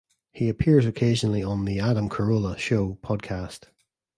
He appears occasionally on "The Adam Carolla Show" podcast.